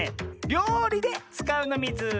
りょうりでつかうのミズ！